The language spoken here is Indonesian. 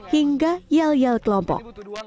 hingga yel yel kelompok